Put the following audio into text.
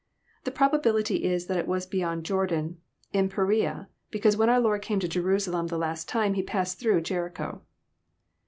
The probability is that it was beyond Jordan, in Perea, because when our Lord came to Jerusalem the last time He passed through Jericho.